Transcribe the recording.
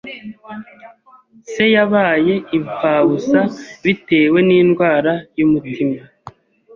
Se yabaye impfabusa bitewe n'indwara y'umutima.